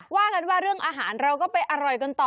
ว่ากันว่าเรื่องอาหารเราก็ไปอร่อยกันต่อ